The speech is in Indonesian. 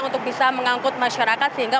untuk bisa mengangkut masyarakat sehingga